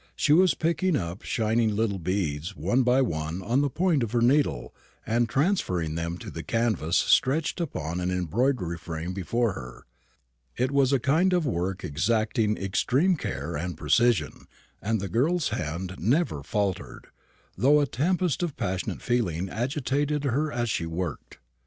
She was picking up shining little beads one by one on the point of her needle, and transferring them to the canvas stretched upon an embroidery frame before her. It was a kind of work exacting extreme care and precision, and the girl's hand never faltered, though a tempest of passionate feeling agitated her as she worked.